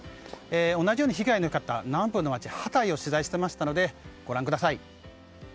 同じように被害が大きかった南部の町ハタイを取材しましたのでご覧ください。